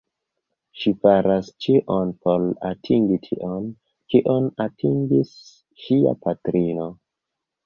Ŝi faras ĉion por atingi tion, kion atingis ŝia patrino.